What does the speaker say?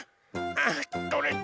あとれた！